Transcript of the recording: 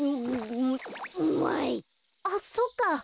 あっそっか。